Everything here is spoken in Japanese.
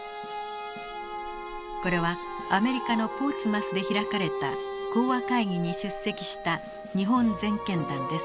これはアメリカのポーツマスで開かれた講和会議に出席した日本全権団です。